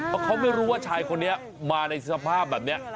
เพราะเขาไม่รู้ว่าชายคนนี้มาในสภาพแบบนี้